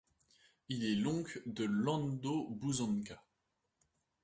Il est l'oncle de Lando Buzzanca.